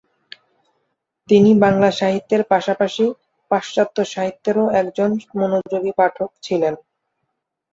তিনি বাংলা সাহিত্যের পাশাপাশি পাশ্চাত্য সাহিত্যেরও একজন মনোযোগী পাঠক ছিলেন।